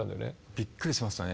びっくりしましたね。